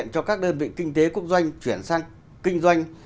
cho các đơn vị kinh tế quốc doanh chuyển sang kinh doanh